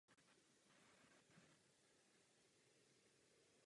Fritz Hoffmann byl dvakrát ženatý.